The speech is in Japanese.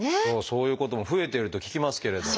そういうことも増えてると聞きますけれど。